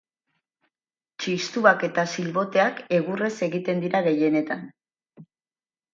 Txistuak eta silboteak egurrez egiten dira gehienetan.